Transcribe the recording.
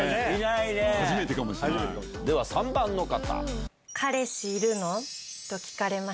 では３番の方。